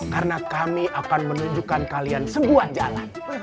karena kami akan menunjukkan kalian sebuah jalan